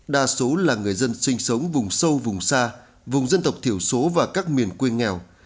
đa số là người dân sinh sống vùng sâu vùng xa vùng dân tộc thiểu số và các miền quê nghèo